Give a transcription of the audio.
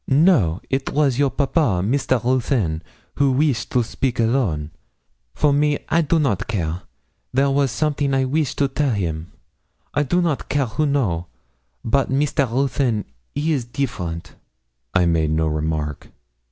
'No it was your papa, Mr. Ruthyn, who weesh to speak alone; for me I do not care; there was something I weesh to tell him. I don't care who know, but Mr. Ruthyn he is deeferent.' I made no remark.